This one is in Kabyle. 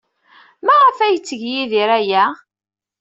Maɣef ay yetteg Yidir aya?